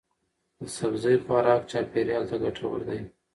د سبزی خوراک چاپیریال ته ګټور دی.